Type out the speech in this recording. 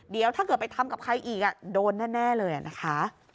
เดี๋ยวถ้าเกิดไปทำกับใครอีกโดนแน่เลยนะคะ